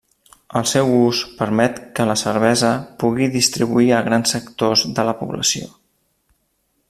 El seu ús permet que la cervesa pugui distribuir a grans sectors de la població.